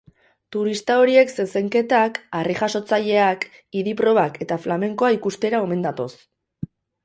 Turista horiek zezenketak, harri-jasotzaileak, idi-probak eta flamenkoa ikustera omen datoz.